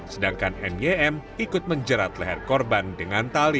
sedangkan mym ikut menjerat leher korban dengan tali